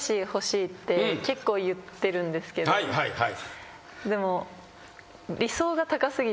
結構言ってるんですけどでも。